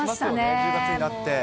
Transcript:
１０月になって。